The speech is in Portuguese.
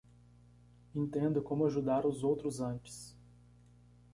Entenda como ajudar os outros antes